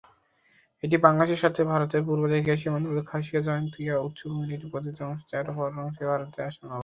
এটি বাংলাদেশের সাথে ভারতের পূর্ব দিকের সীমান্তবর্তী খাসিয়া-জয়ন্তীয়া উচ্চভূমির একটি বর্ধিত অংশ যার অপর অংশ ভারতের আসামে বিস্তৃত।